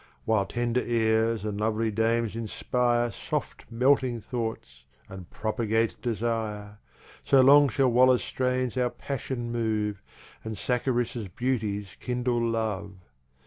While tender Airs and lovely Dames inspire Soft melting Thoughts, and propagate Desire; So long shall Waller's strains our Passion move, And Sacharissa's Beauties kindle Love.